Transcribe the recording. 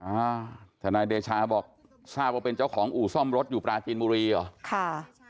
อ่าทนายเดชาบอกทราบว่าเป็นเจ้าของอู่ซ่อมรถอยู่ปลาจีนบุรีเหรอค่ะ